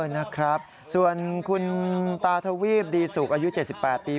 นะครับส่วนคุณตาทวีปดีสุกอายุ๗๘ปี